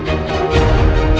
aku mau pergi